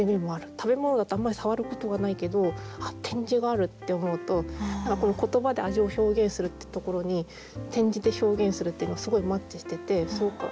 食べ物だとあんまり触ることがないけど点字があるって思うと言葉で味を表現するってところに点字で表現するっていうのはすごいマッチしててそうか。